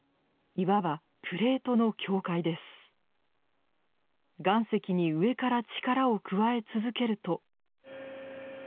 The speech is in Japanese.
岩石に上から力を加え続けると。